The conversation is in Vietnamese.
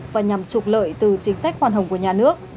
và nhằm trục lợi từ chính sách khoan hồng của nhà nước